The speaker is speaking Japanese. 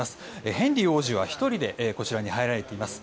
ヘンリー王子は１人でこちらに入られています。